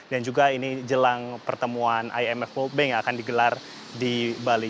dan juga ini jelang pertemuan imf world bank yang akan digelar di bali